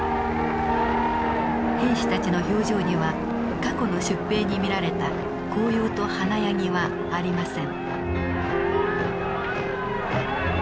兵士たちの表情には過去の出兵に見られた高揚と華やぎはありません。